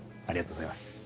ありがとうございます。